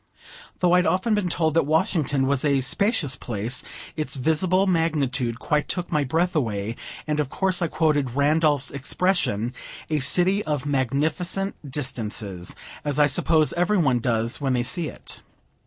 Though I'd often been told that Washington was a spacious place, its visible magnitude quite took my breath away, and of course I quoted Randolph's expression, "a city of magnificent distances," as I suppose every one does when they see it.